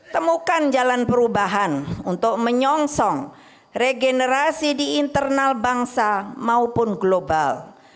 temukan jalan perubahan untuk menyongsong regenerasi di internal bangsa maupun global